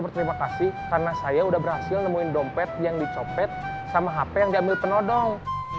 berterima kasih karena saya udah berhasil nemuin dompet yang dicopet sama hp yang diambil penodong